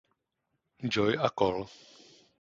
Joy a kol.